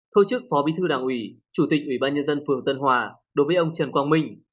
thôi chức phó bí thư đảng ủy chủ tịch ủy ban nhân dân phường tân hòa đối với ông trần quang minh